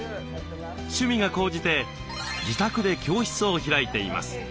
趣味が高じて自宅で教室を開いています。